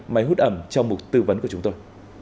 máy hút ẩm trong mục tư vấn của chúng tôi